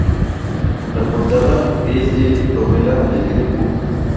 La portada es de dovela de medio punto.